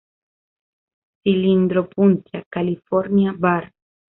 Cylindropuntia californica var.